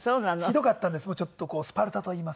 ひどかったんですちょっとスパルタといいますか。